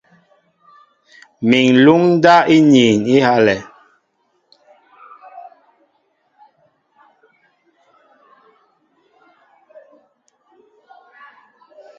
Mi ŋ̀luŋ ndáp íniin á ihálɛ̄.